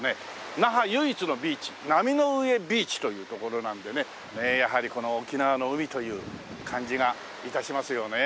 那覇唯一のビーチ波の上ビーチという所なんでねやはりこの沖縄の海という感じが致しますよね。